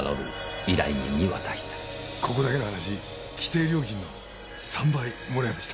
ここだけの話規定料金の３倍もらえました。